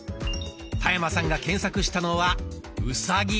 田山さんが検索したのは「うさぎ」。